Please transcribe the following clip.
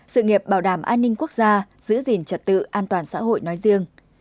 sự nghiệp bảo đảm an ninh quốc gia giữ gìn trật tự an toàn xã hội nói riêng